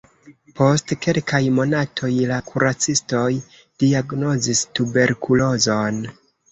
Post kelkaj monatoj la kuracistoj diagnozis tuberkulozon.